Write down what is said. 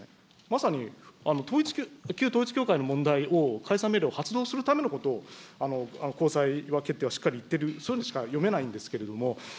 まさに旧統一教会の問題を、解散命令を発動するためのことを、高裁決定はしっかりいってる、そういうふうにしか読めないんですけど。